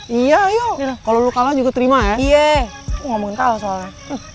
hiyoyoi kalau kalau juga terima yeah ngomong kalau soalnya